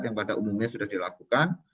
yang pada umumnya sudah dilakukan